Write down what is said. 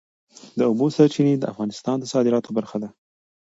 د اوبو سرچینې د افغانستان د صادراتو برخه ده.